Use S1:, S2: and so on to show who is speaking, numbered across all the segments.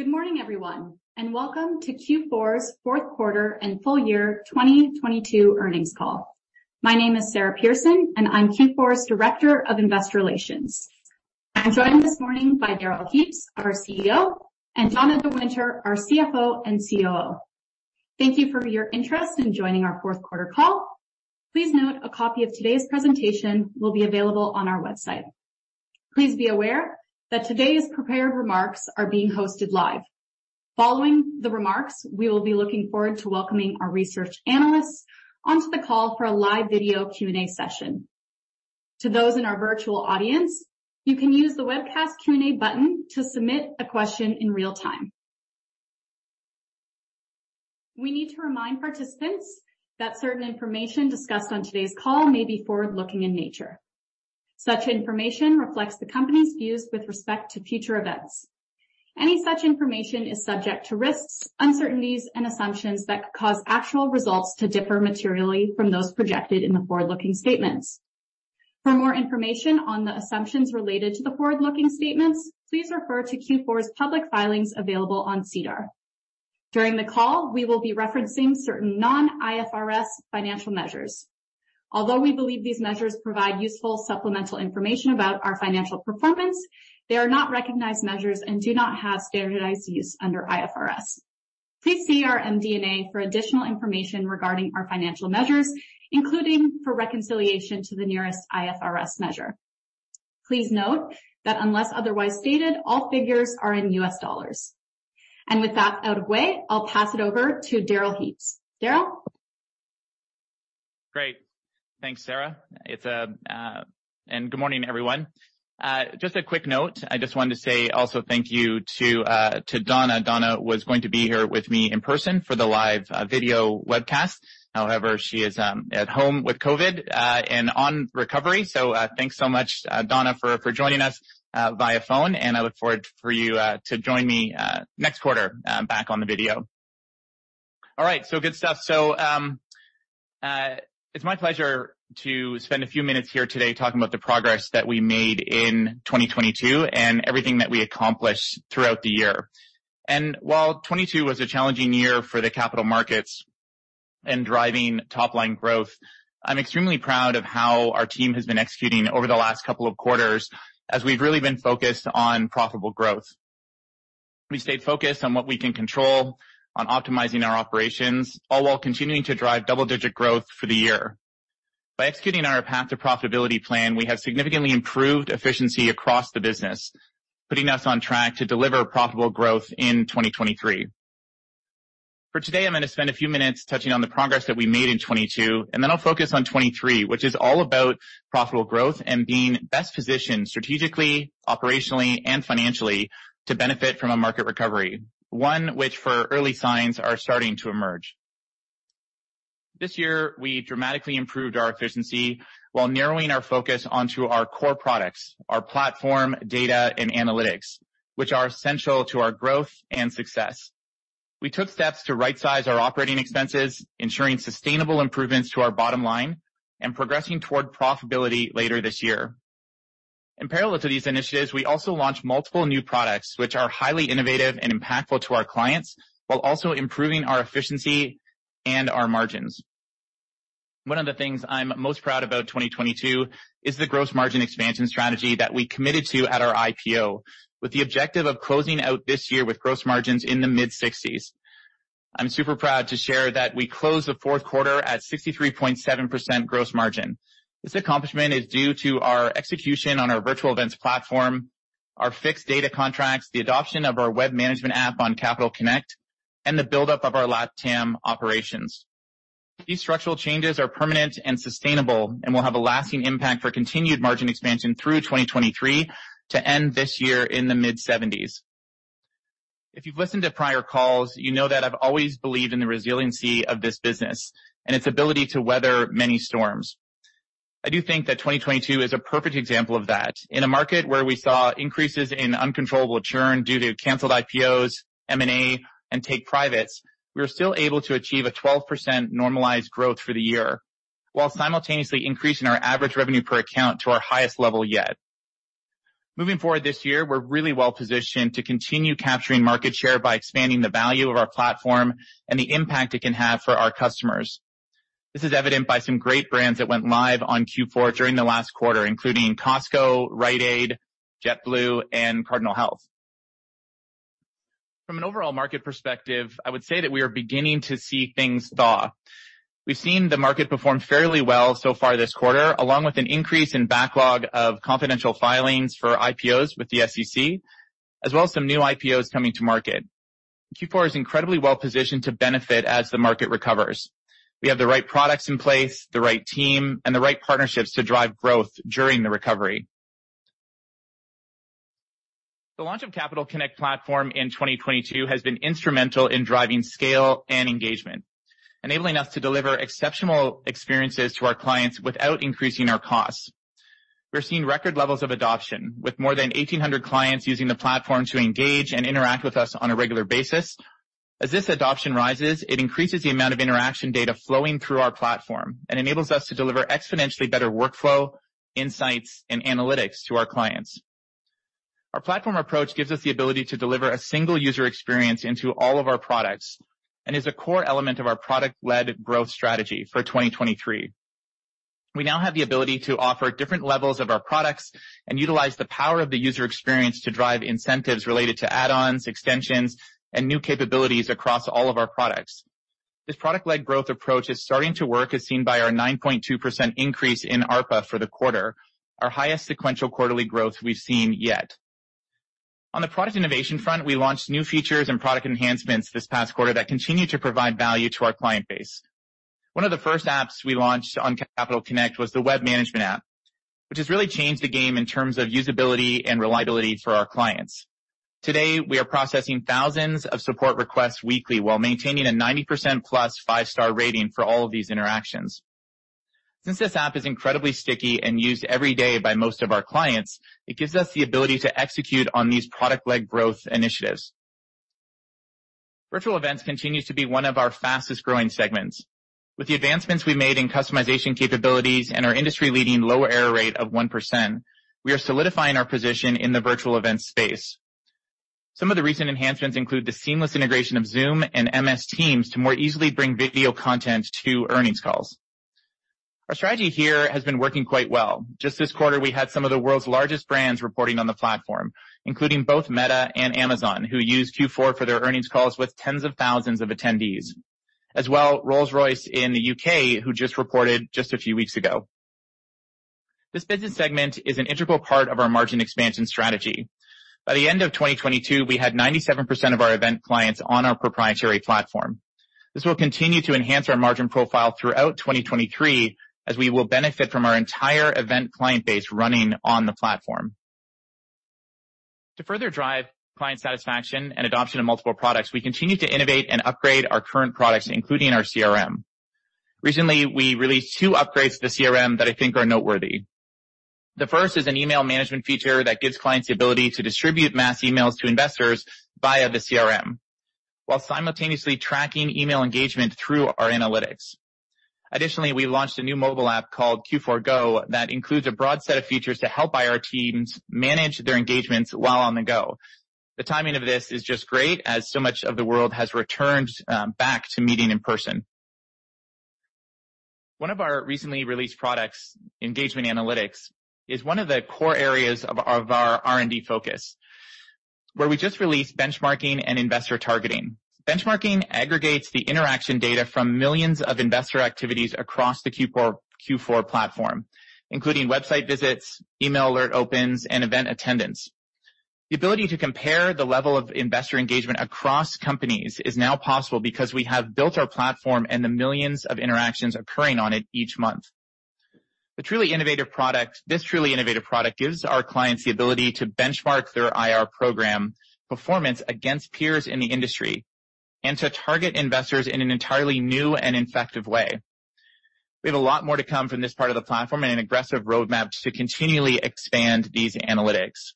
S1: Good morning, everyone, welcome to Q4's Fourth Quarter and Full Year 2022 Earnings Call. My name is Sara Pearson, I'm Q4's Director of Investor Relations. I'm joined this morning by Darrell Heaps, our CEO, Donna de Winter, our CFO and COO. Thank you for your interest in joining our fourth quarter call. Please note a copy of today's presentation will be available on our website. Please be aware that today's prepared remarks are being hosted live. Following the remarks, we will be looking forward to welcoming our research analysts onto the call for a live video Q&A session. To those in our virtual audience, you can use the webcast Q&A button to submit a question in real time. We need to remind participants that certain information discussed on today's call may be forward-looking in nature. Such information reflects the company's views with respect to future events. Any such information is subject to risks, uncertainties, and assumptions that could cause actual results to differ materially from those projected in the forward-looking statements. For more information on the assumptions related to the forward-looking statements, please refer to Q4's public filings available on SEDAR. During the call, we will be referencing certain non-IFRS financial measures. Although we believe these measures provide useful supplemental information about our financial performance, they are not recognized measures and do not have standardized use under IFRS. Please see our MD&A for additional information regarding our financial measures, including for reconciliation to the nearest IFRS measure. Please note that unless otherwise stated, all figures are in U.S. dollars. With that out of the way, I'll pass it over to Darrell Heaps. Darrell?
S2: Great. Thanks, Sara. Good morning, everyone. Just a quick note. I just wanted to say also thank you to Donna. Donna was going to be here with me in person for the live video webcast. However, she is at home with COVID and on recovery. Thanks so much, Donna, for joining us via phone, and I look forward for you to join me next quarter back on the video. All right, good stuff. It's my pleasure to spend a few minutes here today talking about the progress that we made in 2022 and everything that we accomplished throughout the year. While 2022 was a challenging year for the capital markets in driving top-line growth, I'm extremely proud of how our team has been executing over the last couple of quarters as we've really been focused on profitable growth. We stayed focused on what we can control, on optimizing our operations, all while continuing to drive double-digit growth for the year. By executing on our path to profitability plan, we have significantly improved efficiency across the business, putting us on track to deliver profitable growth in 2023. For today, I'm gonna spend a few minutes touching on the progress that we made in 2022, and then I'll focus on 2023, which is all about profitable growth and being best positioned strategically, operationally, and financially to benefit from a market recovery. One which for early signs are starting to emerge. This year we dramatically improved our efficiency while narrowing our focus onto our core products, our platform, data, and analytics, which are essential to our growth and success. We took steps to right-size our operating expenses, ensuring sustainable improvements to our bottom line and progressing toward profitability later this year. In parallel to these initiatives, we also launched multiple new products which are highly innovative and impactful to our clients while also improving our efficiency and our margins. One of the things I'm most proud about 2022 is the gross margin expansion strategy that we committed to at our IPO, with the objective of closing out this year with gross margins in the mid-60s. I'm super proud to share that we closed the fourth quarter at 63.7% gross margin. This accomplishment is due to our execution on our virtual events platform, our fixed data contracts, the adoption of our web management app on Capital Connect, and the buildup of our LatAm operations. These structural changes are permanent and sustainable and will have a lasting impact for continued margin expansion through 2023 to end this year in the mid-70s%. If you've listened to prior calls, you know that I've always believed in the resiliency of this business and its ability to weather many storms. I do think that 2022 is a perfect example of that. In a market where we saw increases in uncontrollable churn due to canceled IPOs, M&A, and take privates, we were still able to achieve a 12% normalized growth for the year, while simultaneously increasing our average revenue per account to our highest level yet. Moving forward this year, we're really well positioned to continue capturing market share by expanding the value of our platform and the impact it can have for our customers. This is evident by some great brands that went live on Q4 during the last quarter, including Costco, Rite Aid, JetBlue, and Cardinal Health. From an overall market perspective, I would say that we are beginning to see things thaw. We've seen the market perform fairly well so far this quarter, along with an increase in backlog of confidential filings for IPOs with the SEC, as well as some new IPOs coming to market. Q4 is incredibly well positioned to benefit as the market recovers. We have the right products in place, the right team, and the right partnerships to drive growth during the recovery. The launch of Capital Connect platform in 2022 has been instrumental in driving scale and engagement, enabling us to deliver exceptional experiences to our clients without increasing our costs. We're seeing record levels of adoption, with more than 1,800 clients using the platform to engage and interact with us on a regular basis. As this adoption rises, it increases the amount of interaction data flowing through our platform and enables us to deliver exponentially better workflow, insights, and analytics to our clients. Our platform approach gives us the ability to deliver a single user experience into all of our products and is a core element of our product-led growth strategy for 2023. We now have the ability to offer different levels of our products and utilize the power of the user experience to drive incentives related to add-ons, extensions, and new capabilities across all of our products. This product-led growth approach is starting to work as seen by our 9.2% increase in ARPA for the quarter, our highest sequential quarterly growth we've seen yet. On the product innovation front, we launched new features and product enhancements this past quarter that continue to provide value to our client base. One of the first apps we launched on Capital Connect was the web management app, which has really changed the game in terms of usability and reliability for our clients. Today, we are processing thousands of support requests weekly while maintaining a 90% plus five-star rating for all of these interactions. Since this app is incredibly sticky and used every day by most of our clients, it gives us the ability to execute on these product-led growth initiatives. Virtual events continues to be one of our fastest-growing segments. With the advancements we made in customization capabilities and our industry-leading low error rate of 1%, we are solidifying our position in the virtual event space. Some of the recent enhancements include the seamless integration of Zoom and MS Teams to more easily bring video content to earnings calls. Our strategy here has been working quite well. Just this quarter, we had some of the world's largest brands reporting on the platform, including both Meta and Amazon, who used Q4 for their earnings calls with tens of thousands of attendees. Well, Rolls-Royce in the U.K. who just reported just a few weeks ago. This business segment is an integral part of our margin expansion strategy. By the end of 2022, we had 97% of our event clients on our proprietary platform. This will continue to enhance our margin profile throughout 2023 as we will benefit from our entire event client base running on the platform. To further drive client satisfaction and adoption of multiple products, we continue to innovate and upgrade our current products, including our CRM. Recently, we released two upgrades to the CRM that I think are noteworthy. The first is an email management feature that gives clients the ability to distribute mass emails to investors via the CRM while simultaneously tracking email engagement through our analytics. Additionally, we launched a new mobile app called Q4 Go that includes a broad set of features to help IR teams manage their engagements while on the go. The timing of this is just great as so much of the world has returned back to meeting in person. One of our recently released products, Engagement Analytics, is one of the core areas of our R&D focus, where we just released benchmarking and investor targeting. Benchmarking aggregates the interaction data from millions of investor activities across the Q4 platform, including website visits, email alert opens, and event attendance. The ability to compare the level of investor engagement across companies is now possible because we have built our platform and the millions of interactions occurring on it each month. This truly innovative product gives our clients the ability to benchmark their IR program performance against peers in the industry and to target investors in an entirely new and effective way. We have a lot more to come from this part of the platform and an aggressive roadmap to continually expand these analytics.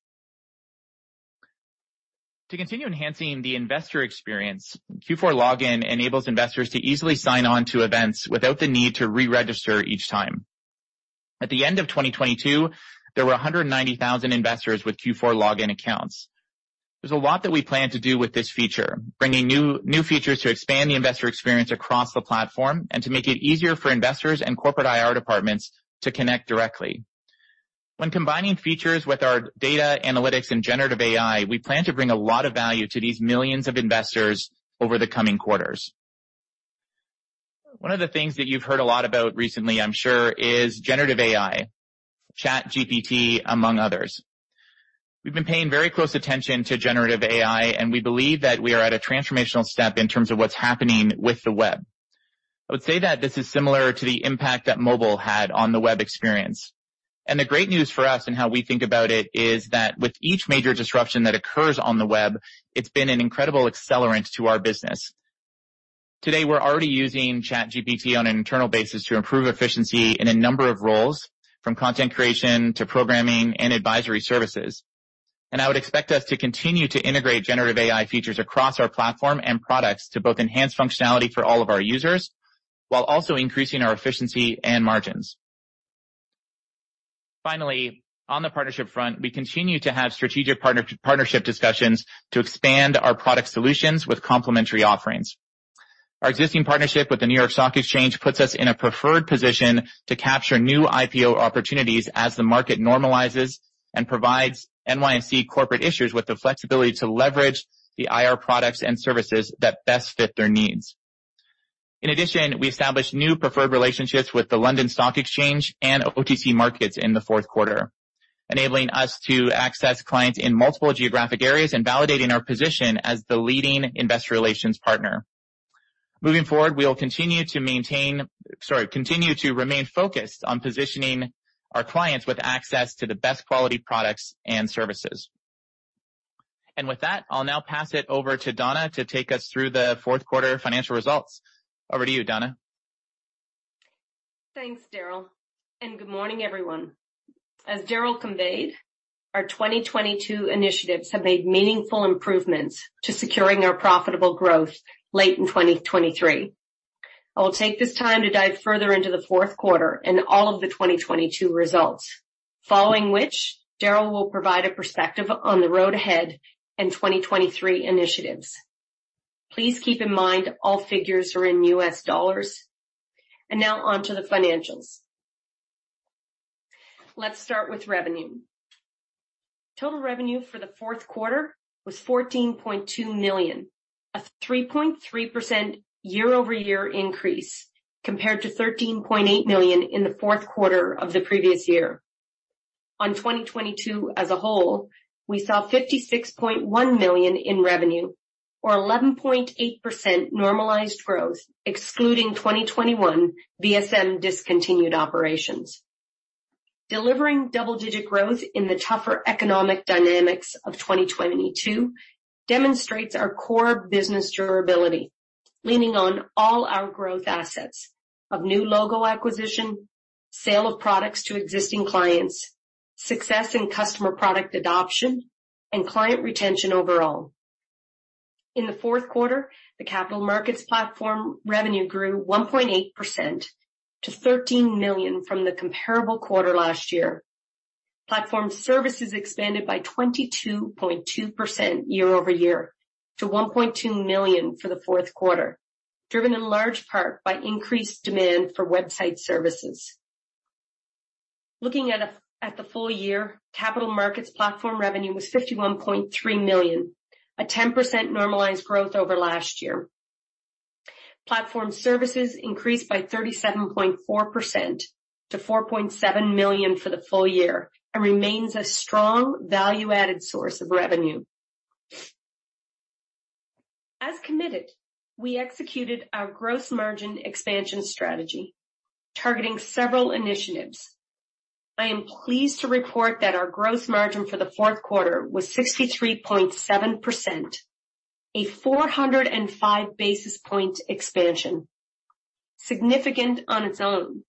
S2: To continue enhancing the investor experience, Q4 Login enables investors to easily sign on to events without the need to re-register each time. At the end of 2022, there were 190,000 investors with Q4 Login accounts. There's a lot that we plan to do with this feature, bringing new features to expand the investor experience across the platform and to make it easier for investors and corporate IR departments to connect directly. When combining features with our data analytics and generative AI, we plan to bring a lot of value to these millions of investors over the coming quarters. One of the things that you've heard a lot about recently, I'm sure, is generative AI, ChatGPT, among others. We've been paying very close attention to generative AI. We believe that we are at a transformational step in terms of what's happening with the web. I would say that this is similar to the impact that mobile had on the web experience. The great news for us and how we think about it is that with each major disruption that occurs on the web, it's been an incredible accelerant to our business. Today, we're already using ChatGPT on an internal basis to improve efficiency in a number of roles, from content creation to programming and advisory services. I would expect us to continue to integrate generative AI features across our platform and products to both enhance functionality for all of our users while also increasing our efficiency and margins. Finally, on the partnership front, we continue to have strategic partnership discussions to expand our product solutions with complementary offerings. Our existing partnership with the New York Stock Exchange puts us in a preferred position to capture new IPO opportunities as the market normalizes and provides NYC corporate issuers with the flexibility to leverage the IR products and services that best fit their needs. In addition, we established new preferred relationships with the London Stock Exchange and OTC Markets in the fourth quarter, enabling us to access clients in multiple geographic areas and validating our position as the leading investor relations partner. Moving forward, we will continue to remain focused on positioning our clients with access to the best quality products and services. With that, I'll now pass it over to Donna to take us through the fourth quarter financial results. Over to you, Donna.
S3: Thanks, Darrell, good morning, everyone. As Darrell conveyed, our 2022 initiatives have made meaningful improvements to securing our profitable growth late in 2023. I will take this time to dive further into the fourth quarter and all of the 2022 results, following which Darrell will provide a perspective on the road ahead and 2023 initiatives. Please keep in mind all figures are in U.S. dollars. Now on to the financials. Let's start with revenue. Total revenue for the fourth quarter was $14.2 million, a 3.3% year-over-year increase compared to $13.8 million in the fourth quarter of the previous year. On 2022 as a whole, we saw $56.1 million in revenue or 11.8% normalized growth, excluding 2021 VSM discontinued operations. Delivering double-digit growth in the tougher economic dynamics of 2022 demonstrates our core business durability, leaning on all our growth assets of new logo acquisition, sale of products to existing clients, success in customer product adoption, and client retention overall. In the fourth quarter, the capital markets platform revenue grew 1.8% to $13 million from the comparable quarter last year. Platform services expanded by 22.2% year-over-year to $1.2 million for the fourth quarter, driven in large part by increased demand for website services. Looking at the full year, capital markets platform revenue was $51.3 million, a 10% normalized growth over last year. Platform services increased by 37.4% to $4.7 million for the full year and remains a strong value-added source of revenue. As committed, we executed our gross margin expansion strategy, targeting several initiatives. I am pleased to report that our gross margin for the fourth quarter was 63.7%, a 405 basis point expansion. Significant on its own,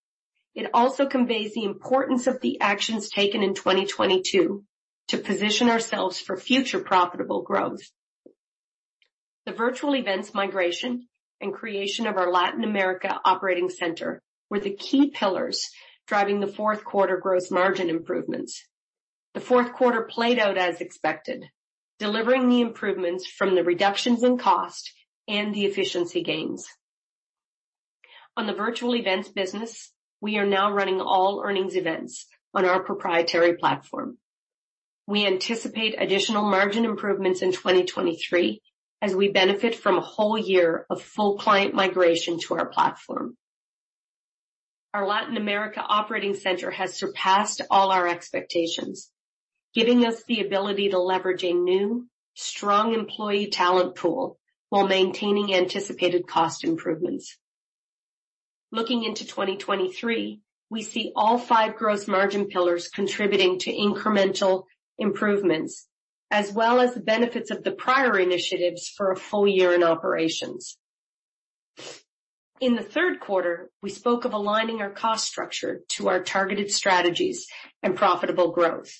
S3: it also conveys the importance of the actions taken in 2022 to position ourselves for future profitable growth. The virtual events migration and creation of our Latin America operating center were the key pillars driving the fourth quarter gross margin improvements. The fourth quarter played out as expected, delivering the improvements from the reductions in cost and the efficiency gains. On the virtual events business, we are now running all earnings events on our proprietary platform. We anticipate additional margin improvements in 2023 as we benefit from a whole year of full client migration to our platform. Our Latin America operating center has surpassed all our expectations, giving us the ability to leverage a new, strong employee talent pool while maintaining anticipated cost improvements. Looking into 2023, we see all five gross margin pillars contributing to incremental improvements, as well as the benefits of the prior initiatives for a full year in operations. In the third quarter, we spoke of aligning our cost structure to our targeted strategies and profitable growth.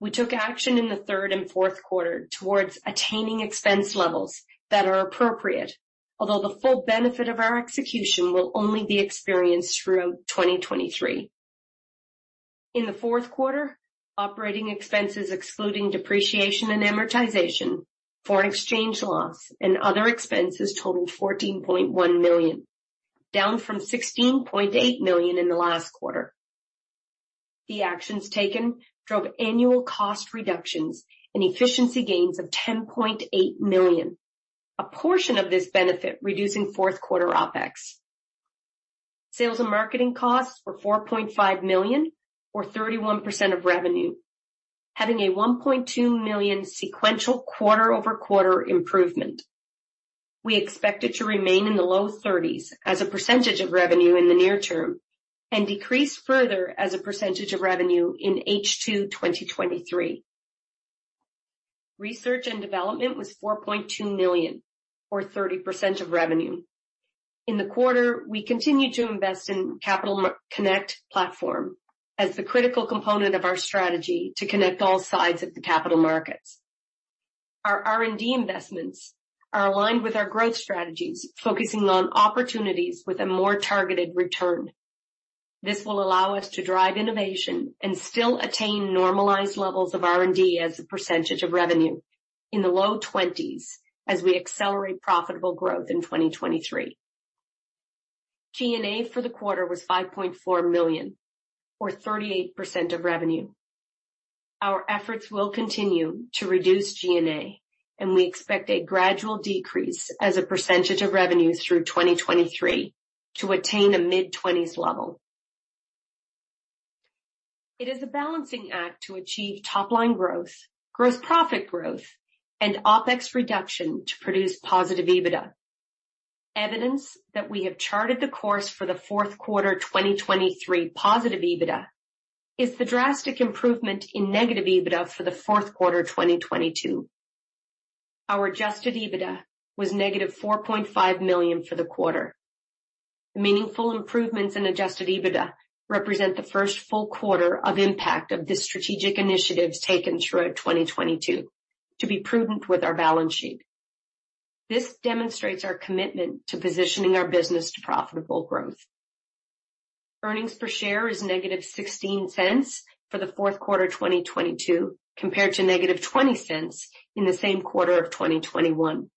S3: We took action in the third and fourth quarter towards attaining expense levels that are appropriate, although the full benefit of our execution will only be experienced throughout 2023. In the fourth quarter, operating expenses excluding depreciation and amortization, foreign exchange loss, and other expenses totaled $14.1 million, down from $16.8 million in the last quarter. The actions taken drove annual cost reductions and efficiency gains of $10.8 million, a portion of this benefit reducing fourth quarter OpEx. Sales and marketing costs were $4.5 million or 31% of revenue, having a $1.2 million sequential quarter-over-quarter improvement. We expect it to remain in the low 30s as a percentage of revenue in the near term and decrease further as a percentage of revenue in H2 2023. Research and development was $4.2 million or 30% of revenue. In the quarter, we continued to invest in Capital Connect platform as the critical component of our strategy to connect all sides of the capital markets. Our R&D investments are aligned with our growth strategies, focusing on opportunities with a more targeted return. This will allow us to drive innovation and still attain normalized levels of R&D as a percentage of revenue in the low 20s as we accelerate profitable growth in 2023. G&A for the quarter was $5.4 million or 38% of revenue. Our efforts will continue to reduce G&A, and we expect a gradual decrease as a percentage of revenues through 2023 to attain a mid-20s level. It is a balancing act to achieve top-line growth, gross profit growth, and OpEx reduction to produce positive EBITDA. Evidence that we have charted the course for the fourth quarter 2023 positive EBITDA is the drastic improvement in negative EBITDA for the fourth quarter 2022. Our Adjusted EBITDA was -$4.5 million for the quarter. The meaningful improvements in Adjusted EBITDA represent the first full quarter of impact of the strategic initiatives taken throughout 2022 to be prudent with our balance sheet. This demonstrates our commitment to positioning our business to profitable growth. Earnings per share is -$0.16 for the fourth quarter 2022, compared to -$0.20 in the same quarter of 2021.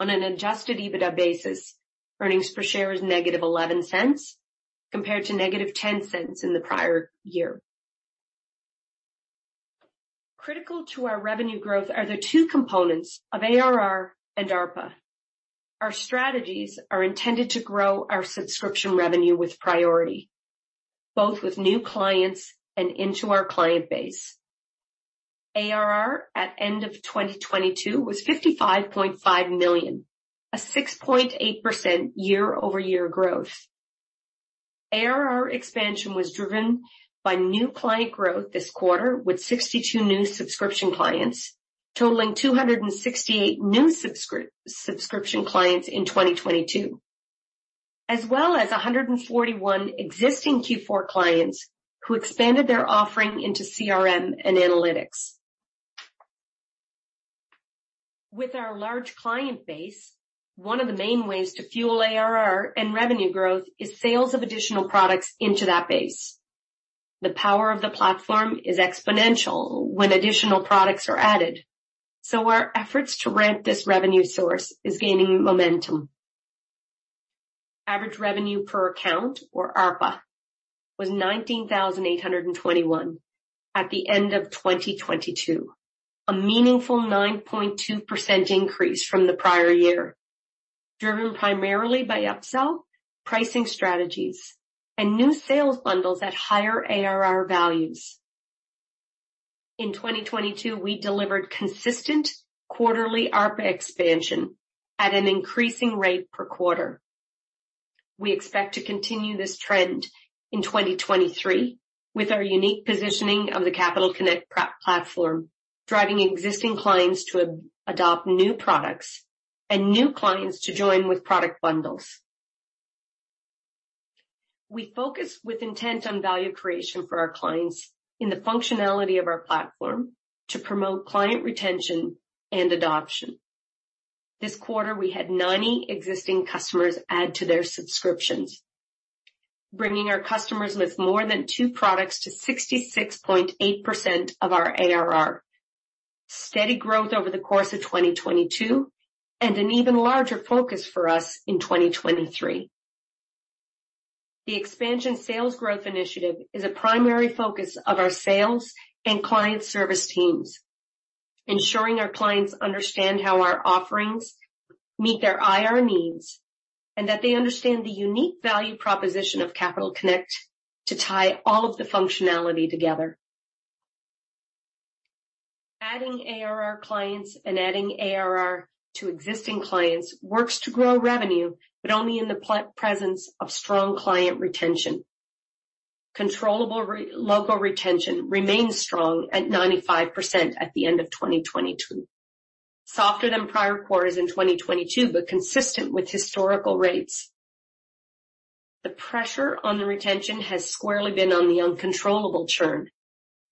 S3: On an Adjusted EBITDA basis, earnings per share is -$0.11 compared to -$0.10 in the prior year. Critical to our revenue growth are the two components of ARR and ARPA. Our strategies are intended to grow our subscription revenue with priority, both with new clients and into our client base. ARR at end of 2022 was $55.5 million, a 6.8% year-over-year growth. ARR expansion was driven by new client growth this quarter, with 62 new subscription clients, totaling 268 new subscription clients in 2022. 141 existing Q4 clients who expanded their offering into CRM and analytics. With our large client base, one of the main ways to fuel ARR and revenue growth is sales of additional products into that base. The power of the platform is exponential when additional products are added, so our efforts to ramp this revenue source is gaining momentum. Average revenue per account, or ARPA, was $19,821 at the end of 2022. A meaningful 9.2% increase from the prior year, driven primarily by upsell, pricing strategies, and new sales bundles at higher ARR values. In 2022, we delivered consistent quarterly ARPA expansion at an increasing rate per quarter. We expect to continue this trend in 2023 with our unique positioning of the Capital Connect platform, driving existing clients to adopt new products and new clients to join with product bundles. We focus with intent on value creation for our clients in the functionality of our platform to promote client retention and adoption. This quarter, we had 90 existing customers add to their subscriptions, bringing our customers with more than two products to 66.8% of our ARR. Steady growth over the course of 2022 and an even larger focus for us in 2023. The expansion sales growth initiative is a primary focus of our sales and client service teams, ensuring our clients understand how our offerings meet their IR needs, and that they understand the unique value proposition of Capital Connect to tie all of the functionality together. Adding ARR clients and adding ARR to existing clients works to grow revenue, but only in the presence of strong client retention. Controllable local retention remains strong at 95% at the end of 2022. Softer than prior quarters in 2022, but consistent with historical rates. The pressure on the retention has squarely been on the uncontrollable churn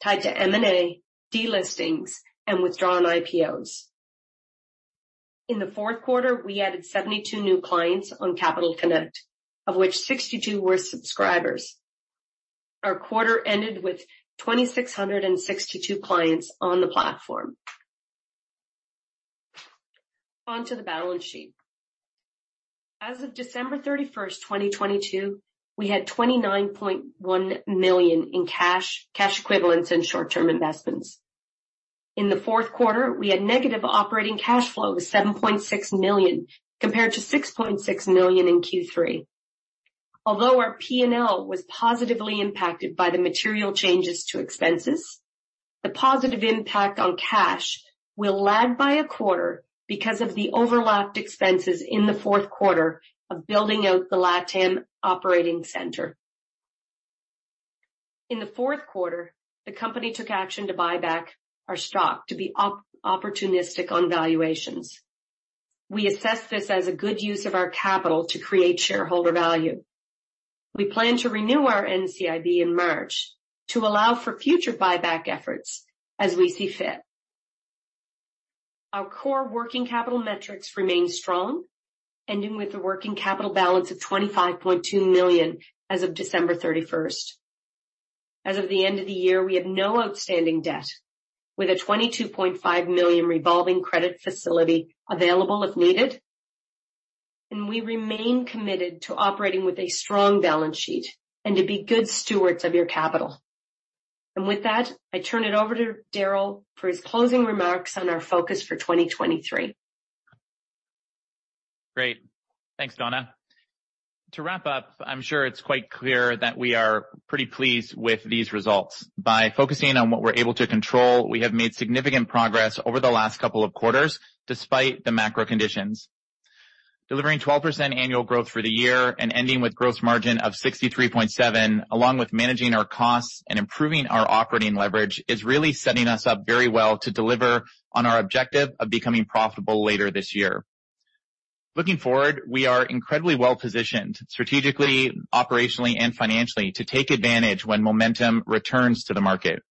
S3: tied to M&A, delistings, and withdrawn IPOs. In the fourth quarter, we added 72 new clients on Capital Connect, of which 62 were subscribers. Our quarter ended with 2,662 clients on the platform. On to the balance sheet. As of December 31st, 2022, we had $29.1 million in cash equivalents and short-term investments. In the fourth quarter, we had negative operating cash flow of $7.6 million, compared to $6.6 million in Q3. Although our P&L was positively impacted by the material changes to expenses, the positive impact on cash will lag by a quarter because of the overlapped expenses in the fourth quarter of building out the LATAM Operating Center. In the fourth quarter, the company took action to buy back our stock to be opportunistic on valuations. We assess this as a good use of our capital to create shareholder value. We plan to renew our NCIB in March to allow for future buyback efforts as we see fit. Our core working capital metrics remain strong, ending with a working capital balance of $25.2 million as of December 31st. As of the end of the year, we have no outstanding debt. With a $22.5 million revolving credit facility available if needed, and we remain committed to operating with a strong balance sheet and to be good stewards of your capital. With that, I turn it over to Darrell for his closing remarks on our focus for 2023.
S2: Great. Thanks, Donna. To wrap up, I'm sure it's quite clear that we are pretty pleased with these results. By focusing on what we're able to control, we have made significant progress over the last couple of quarters, despite the macro conditions. Delivering 12% annual growth for the year and ending with gross margin of 63.7%, along with managing our costs and improving our operating leverage, is really setting us up very well to deliver on our objective of becoming profitable later this year. Looking forward, we are incredibly well-positioned strategically, operationally, and financially to take advantage when momentum returns to the market.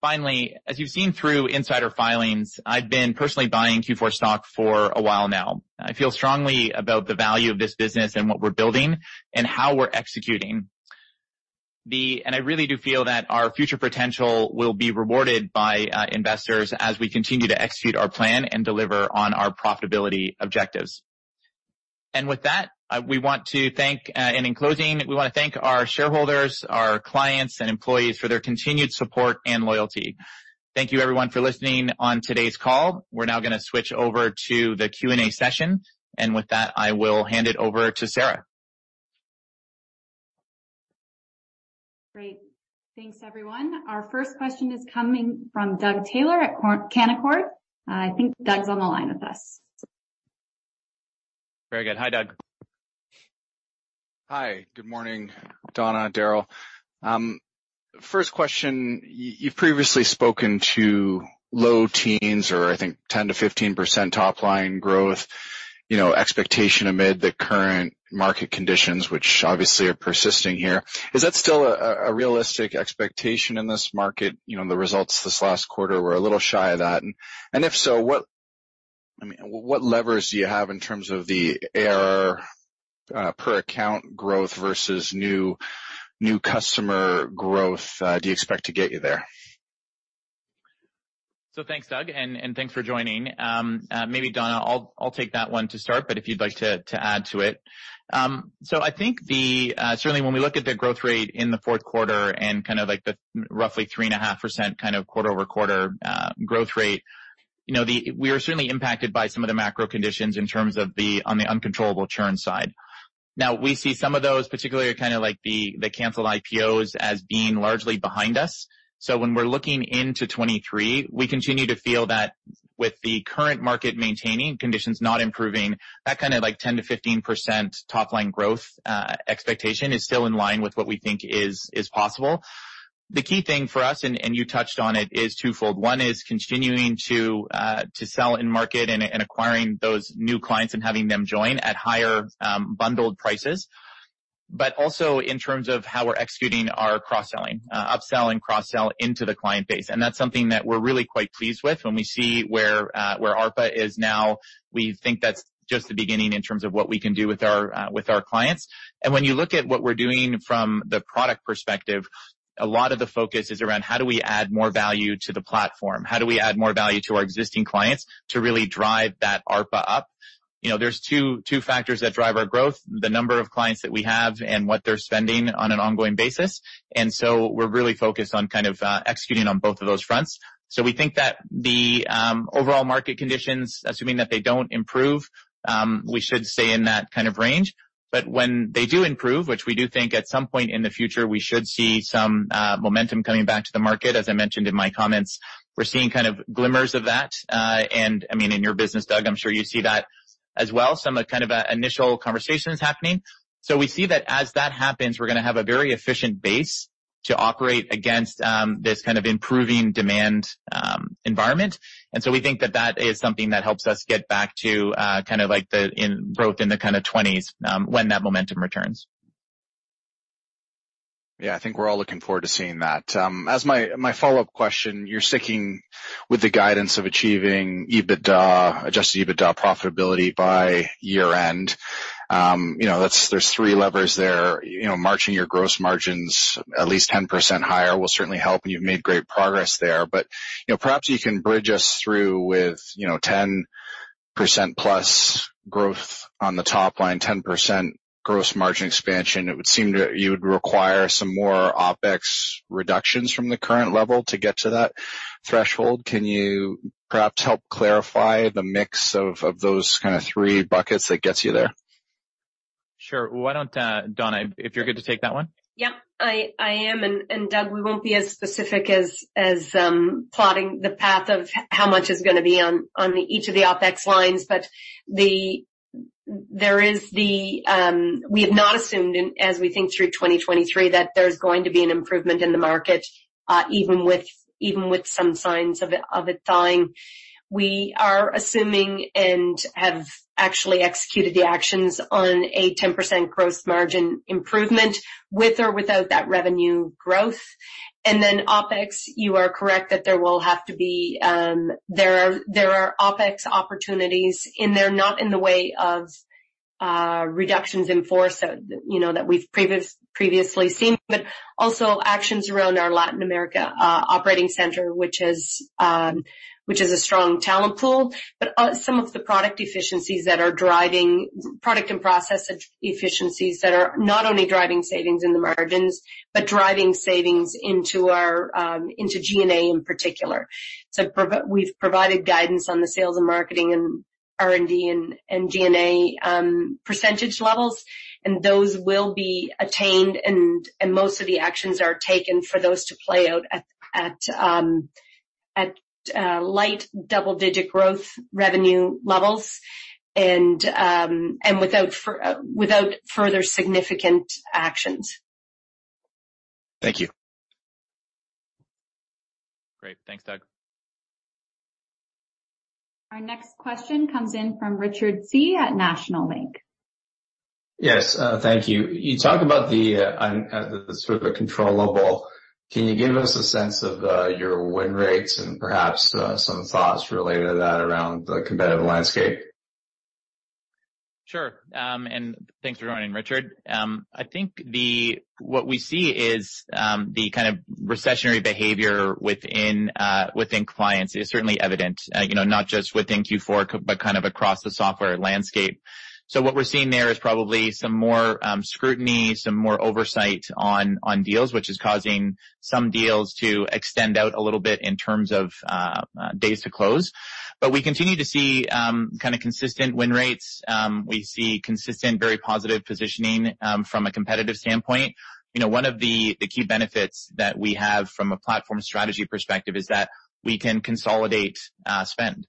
S2: Finally, as you've seen through insider filings, I've been personally buying Q4 stock for a while now. I feel strongly about the value of this business and what we're building and how we're executing. I really do feel that our future potential will be rewarded by investors as we continue to execute our plan and deliver on our profitability objectives. With that, in closing, we want to thank our shareholders, our clients and employees for their continued support and loyalty. Thank you, everyone, for listening on today's call. We're now gonna switch over to the Q&A session. With that, I will hand it over to Sara.
S1: Great. Thanks, everyone. Our first question is coming from Doug Taylor at Canaccord. I think Doug's on the line with us.
S2: Very good. Hi, Doug.
S4: Hi. Good morning, Donna, Darrell. First question. You've previously spoken to low teens or I think 10%-15% top line growth, you know, expectation amid the current market conditions, which obviously are persisting here. Is that still a realistic expectation in this market? You know, the results this last quarter were a little shy of that. If so, what, I mean, what levers do you have in terms of the ARR per account growth versus new customer growth do you expect to get you there?
S2: Thanks, Doug, and thanks for joining. Maybe, Donna, I'll take that one to start, but if you'd like to add to it. I think certainly when we look at the growth rate in the fourth quarter and kind of like the roughly 3.5% kind of quarter-over-quarter growth rate, you know, we are certainly impacted by some of the macro conditions in terms of the, on the uncontrollable churn side. Now, we see some of those, particularly kind of like the canceled IPOs as being largely behind us. When we're looking into 2023, we continue to feel that with the current market maintaining conditions not improving, that kind of like 10%-15% top line growth expectation is still in line with what we think is possible. The key thing for us, and you touched on it, is twofold. One is continuing to sell and market and acquiring those new clients and having them join at higher bundled prices. Also in terms of how we're executing our cross-selling, upselling, cross-sell into the client base, and that's something that we're really quite pleased with. When we see where ARPA is now, we think that's just the beginning in terms of what we can do with our clients. When you look at what we're doing from the product perspective, a lot of the focus is around how do we add more value to the platform? How do we add more value to our existing clients to really drive that ARPA up? You know, there's two factors that drive our growth, the number of clients that we have and what they're spending on an ongoing basis. We're really focused on kind of executing on both of those fronts. We think that the overall market conditions, assuming that they don't improve, we should stay in that kind of range. When they do improve, which we do think at some point in the future, we should see some momentum coming back to the market. As I mentioned in my comments, we're seeing kind of glimmers of that. And I mean, in your business, Doug, I'm sure you see that as well, some kind of initial conversations happening. We see that as that happens, we're gonna have a very efficient base to operate against this kind of improving demand environment. We think that that is something that helps us get back to, kind of like the, growth in the kind of 20s, when that momentum returns.
S4: Yeah, I think we're all looking forward to seeing that. As my follow-up question, you're sticking with the guidance of achieving EBITDA, Adjusted EBITDA profitability by year-end. You know, there's three levers there. You know, marching your gross margins at least 10% higher will certainly help, and you've made great progress there. You know, perhaps you can bridge us through with, you know, 10%+ growth on the top line, 10% gross margin expansion. You would require some more OpEx reductions from the current level to get to that threshold. Can you perhaps help clarify the mix of those kind of three buckets that gets you there?
S2: Sure. Why don't, Donna, if you're good to take that one?
S3: Yeah, I am. Doug, we won't be as specific as plotting the path of how much is gonna be on each of the OpEx lines. We have not assumed, as we think through 2023, that there's going to be an improvement in the market, even with some signs of it thawing. We are assuming and have actually executed the actions on a 10% gross margin improvement with or without that revenue growth. OpEx, you are correct that there will have to be, there are OpEx opportunities in there, not in the way of reductions in force so, you know, that we've previously seen, but also actions around our Latin America operating center, which is a strong talent pool. Some of the product efficiencies that are driving product and process e-efficiencies that are not only driving savings in the margins, but driving savings into our G&A in particular. We've provided guidance on the sales and marketing and R&D and G&A percentage levels, and those will be attained, and most of the actions are taken for those to play out at light double-digit growth revenue levels and without further significant actions.
S4: Thank you.
S2: Great. Thanks, Doug.
S1: Our next question comes in from Richard Tse at National Bank.
S5: Yes. Thank you. You talk about the sort of the controllable. Can you give us a sense of your win rates and perhaps some thoughts related to that around the competitive landscape?
S2: Sure. Thanks for joining, Richard. I think what we see is the kind of recessionary behavior within clients is certainly evident, you know, not just within Q4, but kind of across the software landscape. What we're seeing there is probably some more scrutiny, some more oversight on deals, which is causing some deals to extend out a little bit in terms of days to close. We continue to see kind of consistent win rates. We see consistent, very positive positioning from a competitive standpoint. You know, one of the key benefits that we have from a platform strategy perspective is that we can consolidate spend.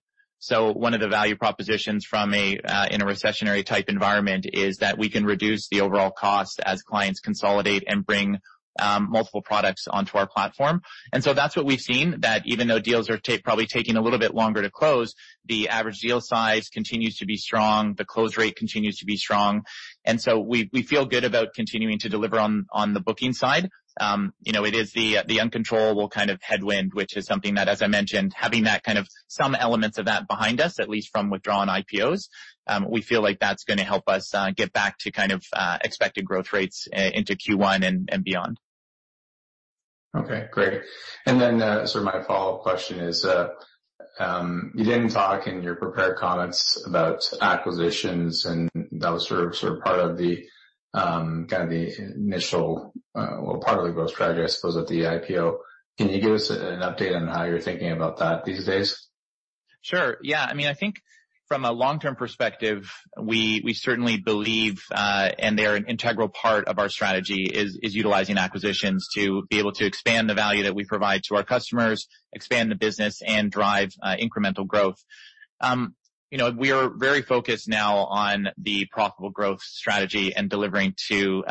S2: One of the value propositions from a in a recessionary type environment is that we can reduce the overall cost as clients consolidate and bring multiple products onto our platform. That's what we've seen, that even though deals are probably taking a little bit longer to close, the average deal size continues to be strong, the close rate continues to be strong. We feel good about continuing to deliver on the booking side. You know, it is the uncontrollable kind of headwind, which is something that, as I mentioned, having that kind of some elements of that behind us, at least from withdrawn IPOs, we feel like that's gonna help us get back to kind of expected growth rates into Q1 and beyond.
S5: Okay. Great. My follow-up question is, you didn't talk in your prepared comments about acquisitions, and that was sort of part of the, kind of the initial, well, part of the growth strategy, I suppose, at the IPO. Can you give us an update on how you're thinking about that these days?
S2: Sure, yeah. I mean, I think from a long-term perspective, we certainly believe and they're an integral part of our strategy is utilizing acquisitions to be able to expand the value that we provide to our customers, expand the business, and drive incremental growth. You know, we are very focused now on the profitable growth strategy and delivering to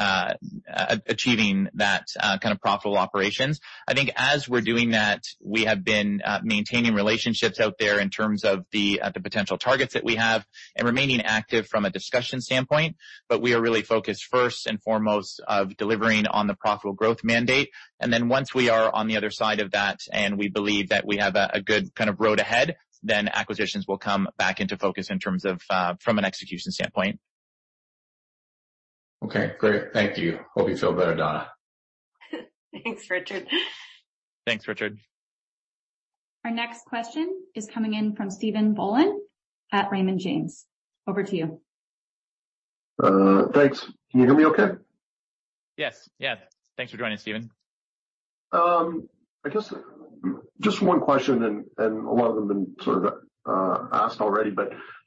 S2: achieving that kind of profitable operations. I think as we're doing that, we have been maintaining relationships out there in terms of the potential targets that we have and remaining active from a discussion standpoint. We are really focused first and foremost of delivering on the profitable growth mandate. Once we are on the other side of that, and we believe that we have a good kind of road ahead, then acquisitions will come back into focus in terms of from an execution standpoint.
S5: Okay, great. Thank you. Hope you feel better, Donna.
S3: Thanks, Richard.
S2: Thanks, Richard.
S1: Our next question is coming in from Stephen Boland at Raymond James. Over to you.
S6: Thanks. Can you hear me okay?
S2: Yes. Yeah. Thanks for joining, Stephen.
S6: I guess just one question and a lot of them been sort of asked already.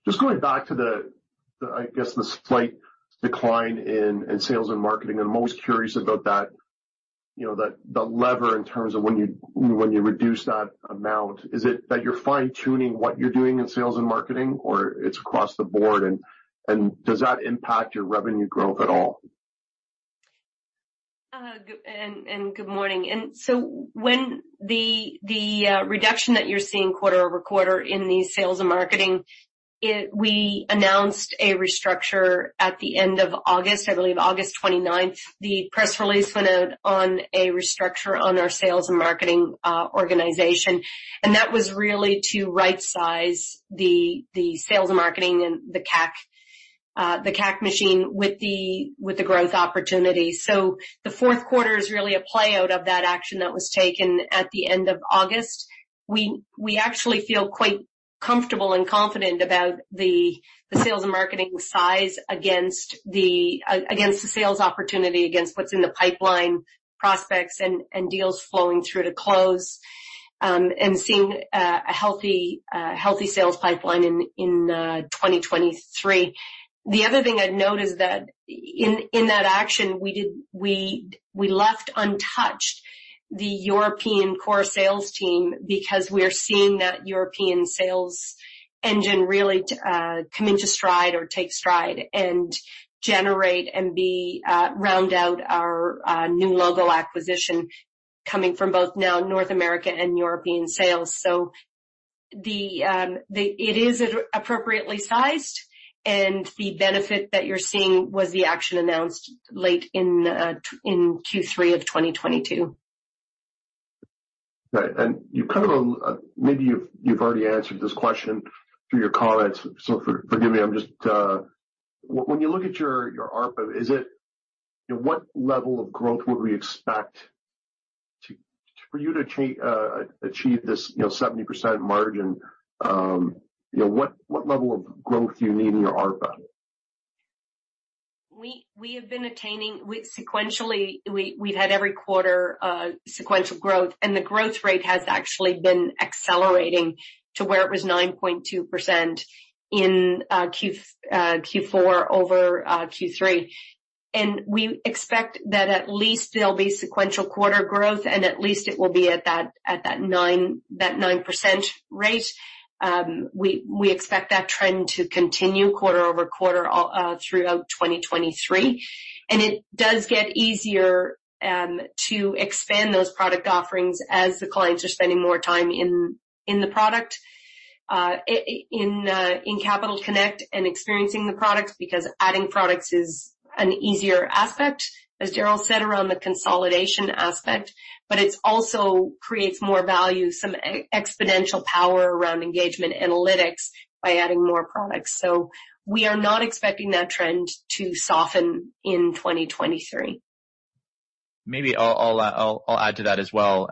S6: Just going back to the I guess, the slight decline in sales and marketing, I'm most curious about that, you know, the lever in terms of when you reduce that amount. Is it that you're fine-tuning what you're doing in sales and marketing, or it's across the board? Does that impact your revenue growth at all?
S3: Good morning. When the reduction that you're seeing quarter-over-quarter in the sales and marketing, we announced a restructure at the end of August, I believe August 29th. The press release went out on a restructure on our sales and marketing organization, and that was really to right-size the sales and marketing and the CAC machine with the growth opportunity. The fourth quarter is really a play out of that action that was taken at the end of August. We actually feel quite comfortable and confident about the sales and marketing size against the sales opportunity, against what's in the pipeline prospects and deals flowing through to close, and seeing a healthy sales pipeline in 2023. The other thing I'd note is that in that action, we left untouched the European core sales team because we're seeing that European sales engine really come into stride or take stride and generate and be round out our new logo acquisition coming from both now North America and European sales. The it is appropriately sized, and the benefit that you're seeing was the action announced late in Q3 of 2022.
S6: Right. You kind of, you've already answered this question through your comments, so forgive me, I'm just. When you look at your ARPA, is it, you know, what level of growth would we expect to, for you to achieve this, you know, 70% margin? You know, what level of growth do you need in your ARPA?
S3: We have been attaining sequential growth, and the growth rate has actually been accelerating to where it was 9.2% in Q4 over Q3. We expect that at least there'll be sequential quarter growth, and at least it will be at that 9% rate. We expect that trend to continue quarter-over-quarter all throughout 2023. It does get easier to expand those product offerings as the clients are spending more time in the product, in Capital Connect and experiencing the products because adding products is an easier aspect, as Darrell said, around the consolidation aspect. It also creates more value, some exponential power around Engagement Analytics by adding more products. We are not expecting that trend to soften in 2023.
S2: Maybe I'll add to that as well,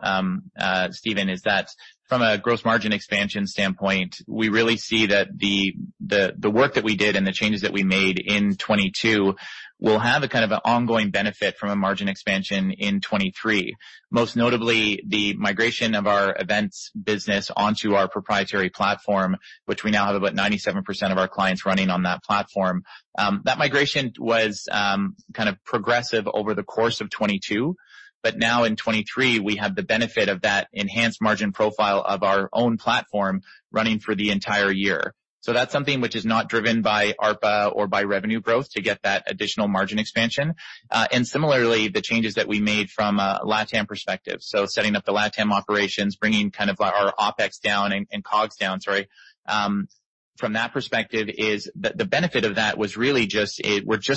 S2: Stephen, is that from a gross margin expansion standpoint, we really see that the work that we did and the changes that we made in 2022 will have a kind of an ongoing benefit from a margin expansion in 2023. Most notably, the migration of our events business onto our proprietary platform, which we now have about 97% of our clients running on that platform. That migration was kind of progressive over the course of 2022, but now in 2023, we have the benefit of that enhanced margin profile of our own platform running through the entire year. That's something which is not driven by ARPA or by revenue growth to get that additional margin expansion. Similarly, the changes that we made from a LatAm perspective. Setting up the LatAm operations, bringing our OpEx down and COGS down, sorry. We're just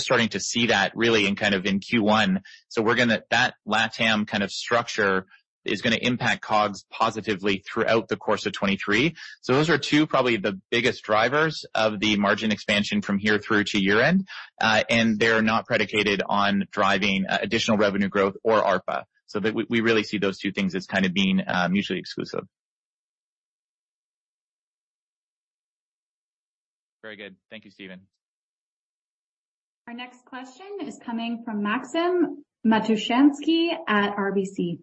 S2: starting to see that really in Q1. That LatAm structure is gonna impact COGS positively throughout the course of 2023. Those are two probably the biggest drivers of the margin expansion from here through to year-end. And they're not predicated on driving additional revenue growth or ARPA. We really see those two things as being mutually exclusive. Very good. Thank you, Stephen.
S1: Our next question is coming from Maxim Matushansky at RBC.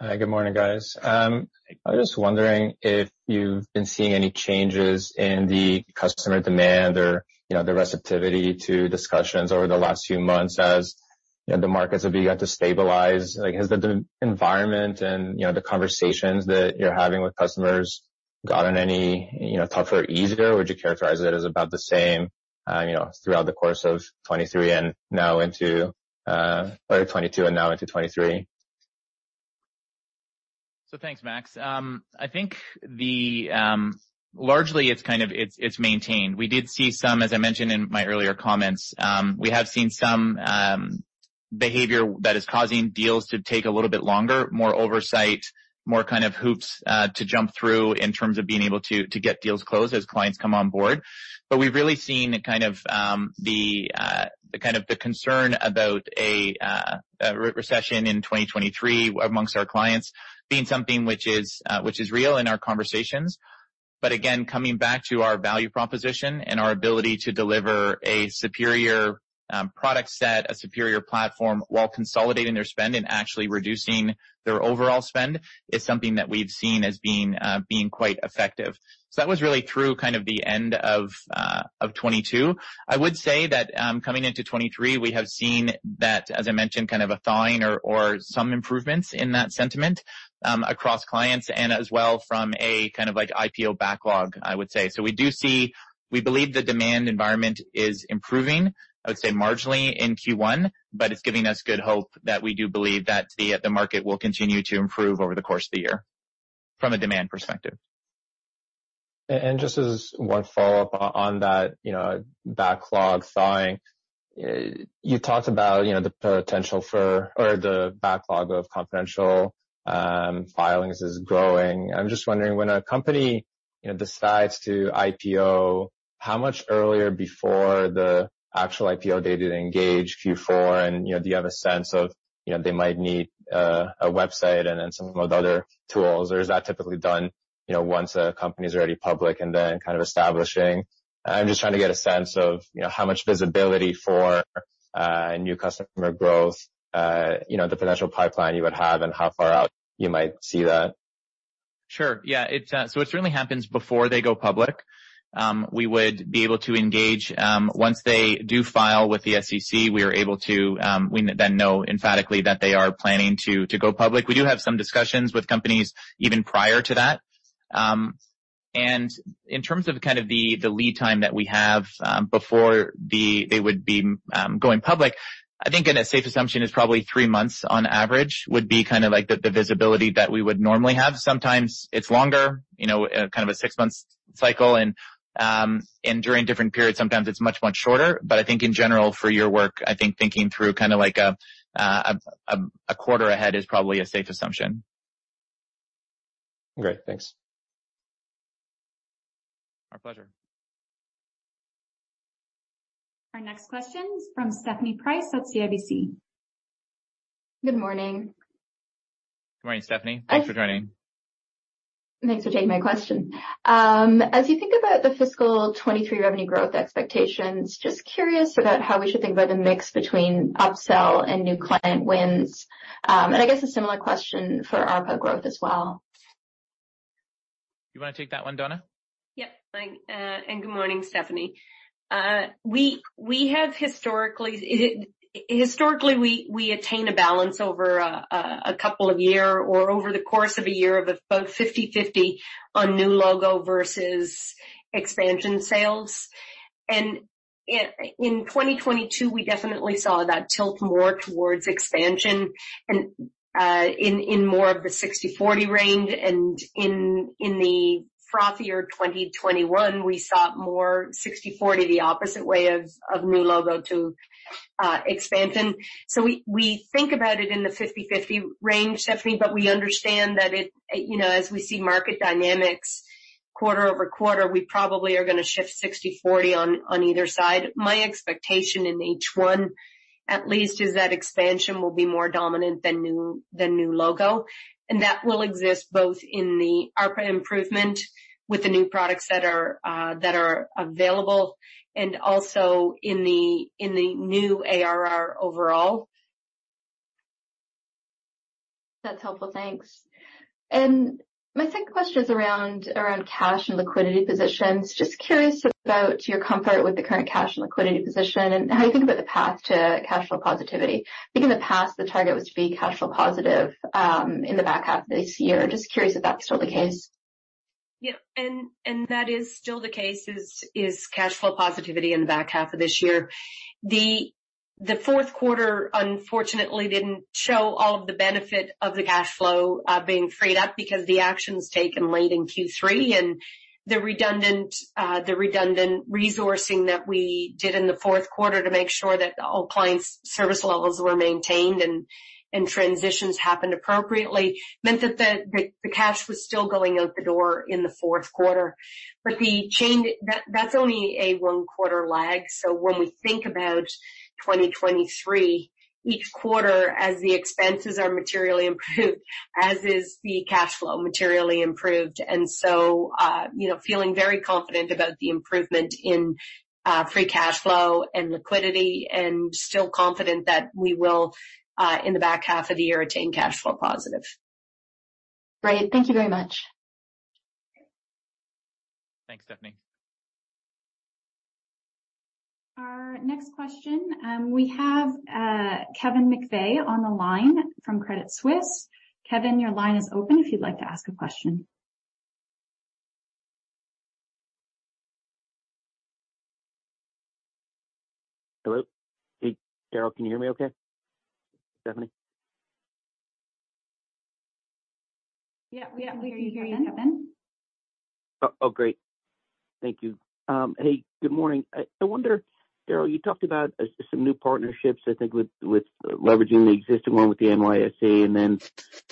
S7: Hi, good morning, guys.
S2: Hey.
S7: I'm just wondering if you've been seeing any changes in the customer demand or, you know, the receptivity to discussions over the last few months as, you know, the markets have begun to stabilize. Like, has the environment and, you know, the conversations that you're having with customers gotten any, you know, tougher, easier? Would you characterize it as about the same, you know, throughout the course of 2023 and now into or 2022 and now into 2023?
S2: Thanks, Max. I think, largely, it's maintained. We did see some, as I mentioned in my earlier comments, we have seen some behavior that is causing deals to take a little bit longer, more oversight, more kind of hoops to jump through in terms of being able to get deals closed as clients come on board. We've really seen the concern about a recession in 2023 amongst our clients being something which is real in our conversations. Again, coming back to our value proposition and our ability to deliver a superior product set, a superior platform while consolidating their spend and actually reducing their overall spend is something that we've seen as being quite effective. That was really through kind of the end of 2022. I would say that, coming into 2023, we have seen that, as I mentioned, kind of a thawing or some improvements in that sentiment, across clients and as well from a kind of like IPO backlog, I would say. We believe the demand environment is improving, I would say marginally in Q1, but it's giving us good hope that we do believe that the market will continue to improve over the course of the year from a demand perspective.
S7: Just as one follow-up on that, you know, backlog thawing. You talked about, you know, the potential for or the backlog of confidential filings is growing. I'm just wondering, when a company, you know, decides to IPO, how much earlier before the actual IPO date do they engage Q4 and, you know, do you have a sense of, you know, they might need a website and then some of the other tools? Or is that typically done, you know, once a company is already public and then kind of establishing? I'm just trying to get a sense of, you know, how much visibility for new customer growth, you know, the potential pipeline you would have and how far out you might see that.
S2: Sure. Yeah, it certainly happens before they go public. We would be able to engage once they do file with the SEC, we are able to. We know emphatically that they are planning to go public. We do have some discussions with companies even prior to that. In terms of kind of the lead time that we have before they would be going public, I think, a safe assumption is probably three months on average, would be kind of like the visibility that we would normally have. Sometimes it's longer, you know, kind of a six-month cycle, and during different periods, sometimes it's much, much shorter. I think in general, for your work, I think thinking through kind of like a quarter ahead is probably a safe assumption.
S7: Great. Thanks.
S2: Our pleasure.
S1: Our next question is from Stephanie Price at CIBC.
S8: Good morning.
S2: Good morning, Stephanie.
S8: I-
S2: Thanks for joining.
S8: Thanks for taking my question. As you think about the fiscal 2023 revenue growth expectations, just curious about how we should think about the mix between upsell and new client wins. I guess a similar question for ARPA growth as well.
S2: You want to take that one, Donna?
S3: Yep. Fine, good morning, Stephanie. We have historically, we attain a balance over a couple of year or over the course of a year of about 50/50 on new logo versus expansion sales. In 2022, we definitely saw that tilt more towards expansion and in more of the 60/40 range and in the frothier 2021, we saw more 60/40, the opposite way of new logo to expansion. We think about it in the 50/50 range, Stephanie, but we understand that it, you know, as we see market dynamics quarter-over-quarter, we probably are gonna shift 60/40 on either side. My expectation in H1 at least, is that expansion will be more dominant than new logo. That will exist both in the ARPA improvement with the new products that are that are available and also in the, in the new ARR overall.
S8: That's helpful. Thanks. My second question is around cash and liquidity positions. Just curious about your comfort with the current cash and liquidity position and how you think about the path to cash flow positivity. I think in the past, the target was to be cash flow positive in the back half of this year. Just curious if that's still the case?
S3: Yeah, and that is still the case is cash flow positivity in the back half of this year. The fourth quarter unfortunately didn't show all of the benefit of the cash flow being freed up because the actions taken late in Q3 and the redundant resourcing that we did in the fourth quarter to make sure that all clients' service levels were maintained and transitions happened appropriately, meant that the cash was still going out the door in the fourth quarter. The change that's only a one-quarter lag. When we think about 2023, each quarter as the expenses are materially improved, as is the cash flow materially improved. You know, feeling very confident about the improvement in free cash flow and liquidity and still confident that we will, in the back half of the year, attain cash flow positive.
S8: Great. Thank you very much.
S2: Thanks, Stephanie.
S9: Our next question, we have Kevin McVeigh on the line from Credit Suisse. Kevin, your line is open if you'd like to ask a question.
S10: Hello? Hey, Darrell, can you hear me okay? Stephanie?
S9: Yeah, we hear you, Kevin.
S10: Oh, oh, great. Thank you. Hey, good morning. I wonder, Darrell, you talked about as some new partnerships, I think with leveraging the existing one with the NYSE and then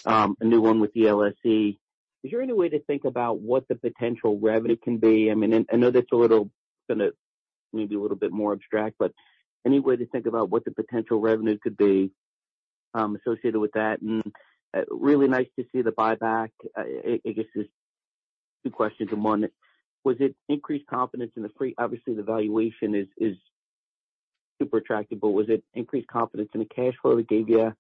S10: a new one with the LSE. Is there any way to think about what the potential revenue can be? I mean, I know that's a little gonna maybe a little bit more abstract, but any way to think about what the potential revenue could be associated with that? Really nice to see the buyback. I guess there's two questions in one. Was it increased confidence in the obviously, the valuation is super attractive, but was it increased confidence in the cash flow that gave you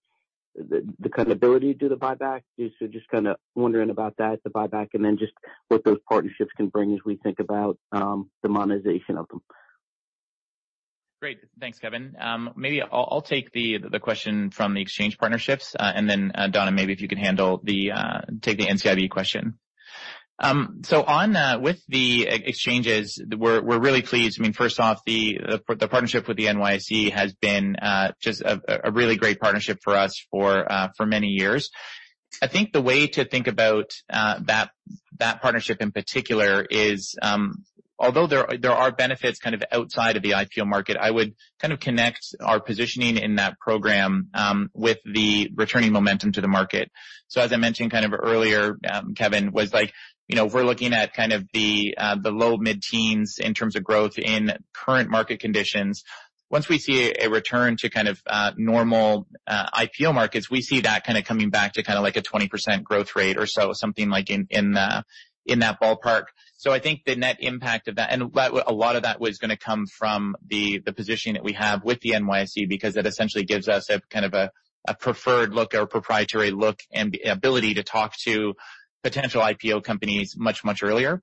S10: the kind of ability to do the buyback? Just kinda wondering about that, the buyback, and then just what those partnerships can bring as we think about the monetization of them.
S2: Great. Thanks, Kevin. Maybe I'll take the question from the exchange partnerships, and then Donna, maybe if you could take the NCIB question. On with the e-exchanges, we're really pleased. I mean, first off, the partnership with the NYSE has been just a really great partnership for us for many years. I think the way to think about that partnership in particular is, although there are benefits kind of outside of the IPO market, I would kind of connect our positioning in that program with the returning momentum to the market. As I mentioned kind of earlier, Kevin, was like, you know, if we're looking at kind of the low mid-teens in terms of growth in current market conditions, once we see a return to kind of normal IPO markets, we see that kinda coming back to kinda like a 20% growth rate or so, something like in the in that ballpark. I think the net impact of that, and a lot of that was gonna come from the position that we have with the NYSE because that essentially gives us a kind of a preferred look or proprietary look and the ability to talk to potential IPO companies much earlier.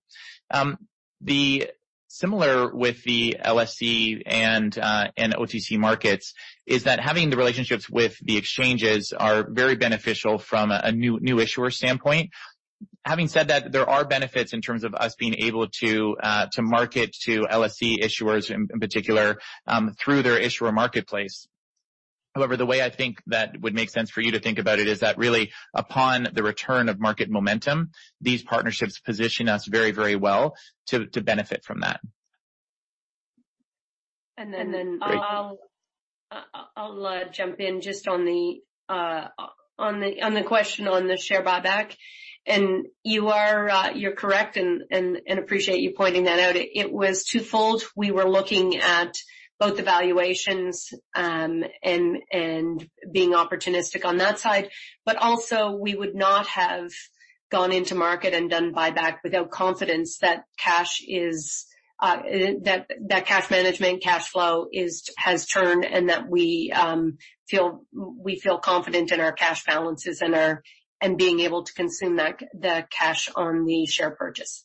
S2: The similar with the LSE and OTC Markets is that having the relationships with the exchanges are very beneficial from a new issuer standpoint. Having said that, there are benefits in terms of us being able to market to LSE issuers in particular, through their issuer marketplace. However, the way I think that would make sense for you to think about it is that really upon the return of market momentum, these partnerships position us very, very well to benefit from that.
S3: And then-
S10: Great.
S3: I'll jump in just on the question on the share buyback. You are correct and appreciate you pointing that out. It was twofold. We were looking at both the valuations and being opportunistic on that side. Also, we would not have gone into market and done buyback without confidence that cash is that cash management, cash flow has turned and that we feel confident in our cash balances and being able to consume that, the cash on the share purchase.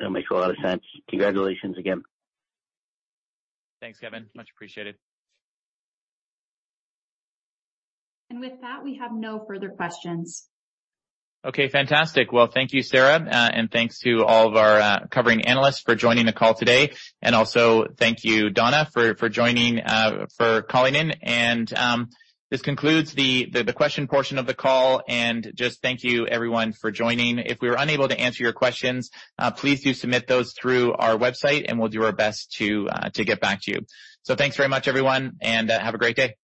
S10: That makes a lot of sense. Congratulations again.
S2: Thanks, Kevin. Much appreciated.
S9: With that, we have no further questions.
S2: Okay, fantastic. Well, thank you, Sara. Thanks to all of our covering analysts for joining the call today. Also thank you, Donna, for joining, for calling in. This concludes the question portion of the call, and just thank you everyone for joining. If we were unable to answer your questions, please do submit those through our website, and we'll do our best to get back to you. Thanks very much, everyone, and have a great day.